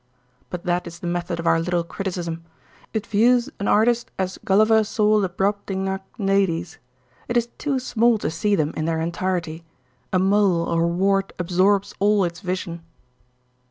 But that is the method of our little criticism. It views an artist as Gulliver saw the Brobdingnag ladies. It is too small to see them in their entirety: a mole or a wart absorbs all its vision.